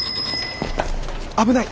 危ない！